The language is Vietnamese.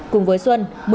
cùng với xuân